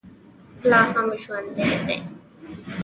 لا هم ژوندی دی.